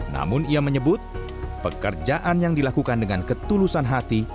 namun ia menyebut pekerjaan yang dilakukan dengan ketulusan hati